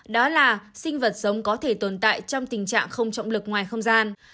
đó là sinh vật sống có thể tồn tại trong tình trạng không trọng lực ngoài không gian